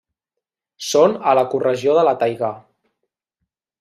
Són a l'ecoregió de la taigà.